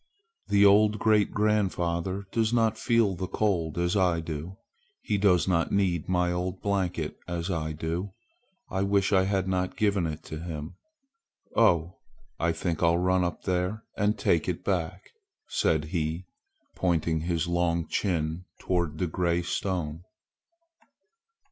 "The old great grandfather does not feel the cold as I do. He does not need my old blanket as I do. I wish I had not given it to him. Oh! I think I'll run up there and take it back!" said he, pointing his long chin toward the large gray stone.